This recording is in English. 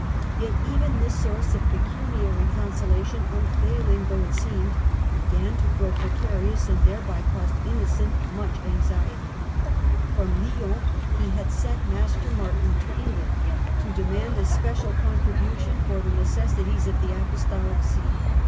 Yet even this source of pecuniary consolation, unfailing though it seemed, began to grow precarious and thereby caused Innocent much anxiety. From Lyons he had sent Master Martin to England to demand a special contribution for the necessities of the Apostolic See.